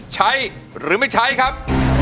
ใช้หรือไม่ใช้ครับ